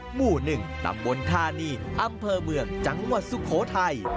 หมู่๑ตำบลธานีอำเภอเมืองจังหวัดสุโขทัย